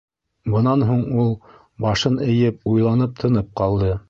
Бынан һуң ул, башын эйеп, уйланып тынып ҡалды.